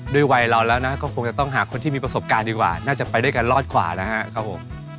วัยเราแล้วนะก็คงจะต้องหาคนที่มีประสบการณ์ดีกว่าน่าจะไปด้วยกันรอดกว่านะครับผม